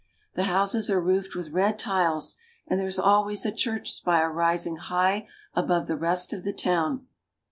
The houses are roofed with red tiles, and there is always a church spire rising high above the rest of the town.